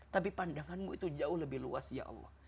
tapi pandanganmu itu jauh lebih luas ya allah